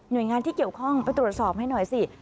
โดยงานที่เกี่ยวข้องไปตรวจสอบให้หน่อยสิ